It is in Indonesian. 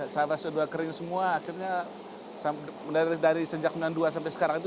saatnya sudah kering semua akhirnya dari sejak sembilan puluh dua sampai sekarang itu